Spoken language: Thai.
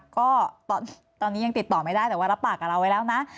ก็ตอนนี้ยังติดต่อไม่ได้แต่ว่ารับปากกับเราไว้แล้วนะ